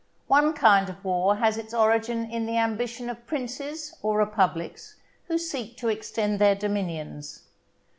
One kind of war has its origin in the ambition of princes or republics who seek to extend their dominions.